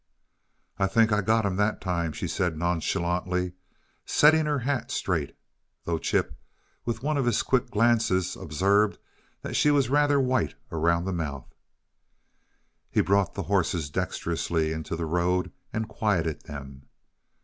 "I think I got him that time," said she, nonchalantly, setting her hat straight though Chip, with one of his quick glances, observed that she was rather white around the mouth. He brought the horses dexterously into the road and quieted them.